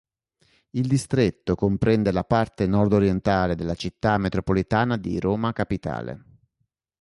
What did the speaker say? Il distretto comprende la parte nord-orientale della Città metropolitana di Roma Capitale.